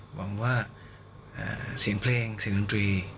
หวังว่าเสียงเพลงเสียงดนตรี